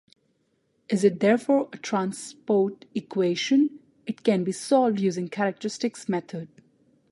It is therefore a transport equation; it can be solved using a characteristics method.